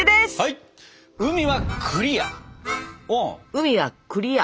海はクリア。